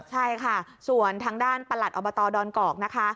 ใช่ค่ะส่วนทางด้านประหลัดอบตดอนกอกนะคะ